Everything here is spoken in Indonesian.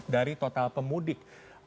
dari total pemudik